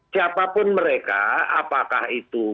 siapapun mereka apakah itu